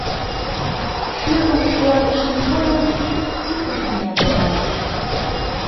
Шӱргым шӱалтышын койын, ӱпыштым ягылтат.